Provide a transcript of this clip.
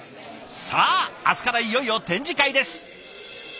さあ明日からいよいよ展示会です。